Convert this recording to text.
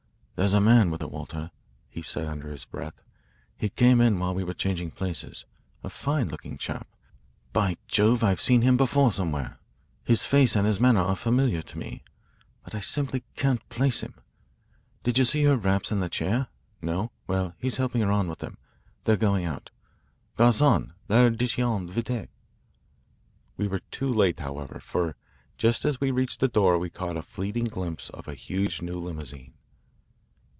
"There's a man with her, Walter," he said under his breath. "He came in while we were changing places a fine looking chap. By Jove, I've seen him before somewhere. His face and his manner are familiar to me. But I simply can't place him. Did you see her wraps in the chair? No? Well, he's helping her on with them. They're going out. Garcon, l'addition vite." We were too late, however, for just as we reached the door we caught a fleeting glimpse of a huge new limousine.